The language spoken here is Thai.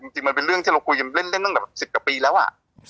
จริงมันเป็นเรื่องที่เราคุยกันเล่นตั้งแต่๑๐กว่าปีแล้วอ่ะ